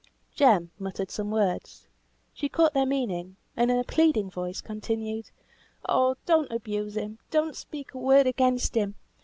Jem muttered some words; she caught their meaning, and in a pleading voice continued, "Oh, don't abuse him; don't speak a word against him!